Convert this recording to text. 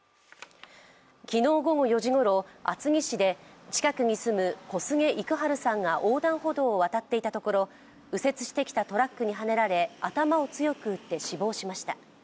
昨日午後４時ごろ、厚木市で近くに住む小菅幾春さんが横断歩道を渡っていたところ右折してきたトラックにはねられ頭を強く打って死亡しました。